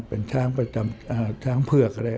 เป็นช้างเผือกเลย